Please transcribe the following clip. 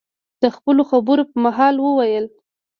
د خپلو خبرو په مهال، وویل: